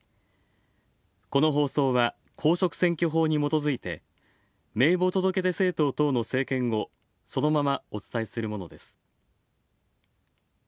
この放送は公職選挙法にもとづいて名簿届出政党等の政見をそのままお伝えするものです。